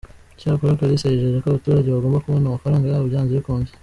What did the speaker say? Icyakora Kalisa yijeje ko abaturage bagomba kubona amafaranga yabo byanze bikunze.